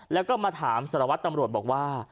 แล้วก็มาถามสารวัตรตำรวจบอกว่า